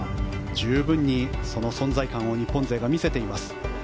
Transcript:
十分にその存在感を日本勢が見せています。